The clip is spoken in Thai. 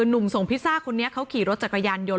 หนุ่มส่งพิซซ่าคนนี้เขาขี่รถจักรยานยนต